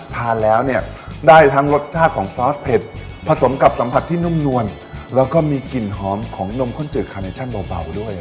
ทานแล้วเนี่ยได้ทั้งรสชาติของซอสเผ็ดผสมกับสัมผัสที่นุ่มนวลแล้วก็มีกลิ่นหอมของนมข้นจืดคาเนชั่นเบาด้วย